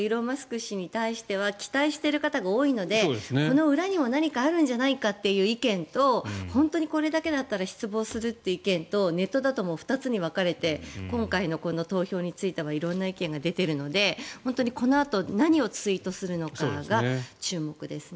氏に対しては期待している方が多いのでこの裏には何かあるんじゃないかという意見と本当にこれだけだったら失望するという意見とネットだと２つに分かれていて今回のこの投票については色んな意見が出ているので本当にこのあと何をツイートするのかが注目ですね。